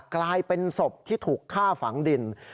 กลายเป็นศพที่ถูกฆ่าฝังดิน